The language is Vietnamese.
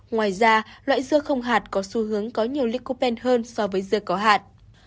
ngoài ra loại dơ không hạt có xu hướng có nhiều lycopene hơn so với dơ có hạt